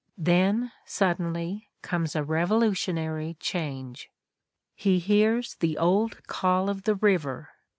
Then, suddenly, comes a revolutionary change. He hears "the old call of the river."